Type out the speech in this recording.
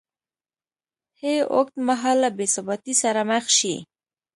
ه اوږدمهاله بېثباتۍ سره مخ شي